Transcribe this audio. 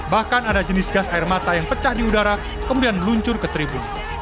bahkan ada jenis gas air mata yang pecah di udara kemudian meluncur ke tribun